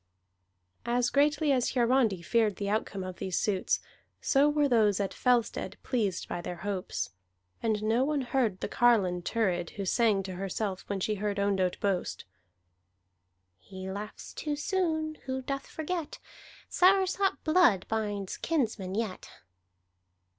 As greatly as Hiarandi feared the outcome of these suits, so were those at Fellstead pleased by their hopes. And no one heard the carline Thurid, who sang to herself when she heard Ondott boast: "He laughs too soon Who doth forget, Soursop blood Binds kinsmen yet."